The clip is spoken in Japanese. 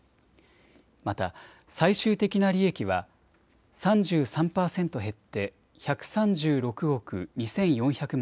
また最終的な利益は３３％減って１３６億２４００万